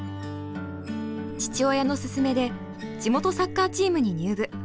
父親の勧めで地元サッカーチームに入部。